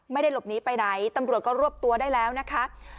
ไม่ได้หลบหนีไปไหนตำรวจก็รวบตัวได้แล้วนะคะ